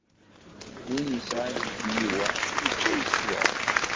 Win yesɛan deg tliwa, yečča yeswa.